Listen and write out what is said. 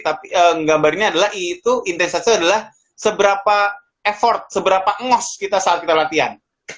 tapi gambarnya adalah e itu intensitasnya adalah seberapa effort seberapa ngos kita saat kita latihan